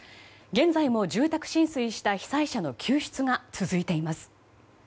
現在も住宅浸水した被災者の救出が続いています。